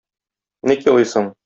Ник елыйсың?